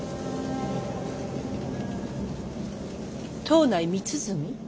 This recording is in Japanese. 藤内光澄？